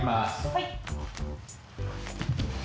はい。